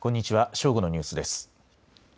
正午のニュースです。